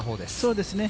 そうですね。